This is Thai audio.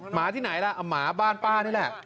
หมาที่ไหนล่ะหมาบ้านป้านี่แหละ